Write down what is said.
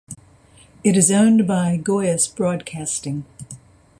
It is owned by Gois Broadcasting.